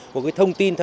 một thông tin